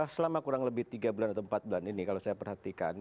selama kurang lebih tiga bulan atau empat bulan ini kalau saya perhatikan